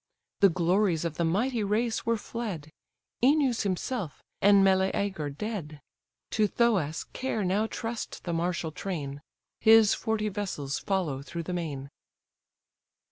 The glories of the mighty race were fled! Œneus himself, and Meleager dead! To Thoas' care now trust the martial train, His forty vessels follow through the main.